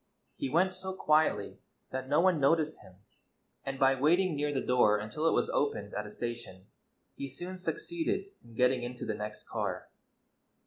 He went so quietly that no one noticed him, and by waiting near the door until it was oj)ened at a station he soon succeeded in getting into the next car.